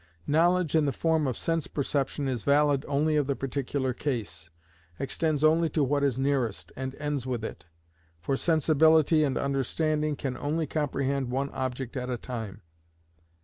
Knowledge in the form of sense perception is valid only of the particular case, extends only to what is nearest, and ends with it, for sensibility and understanding can only comprehend one object at a time.